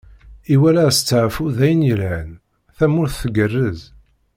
Iwala asteɛfu d ayen yelhan, tamurt tgerrez.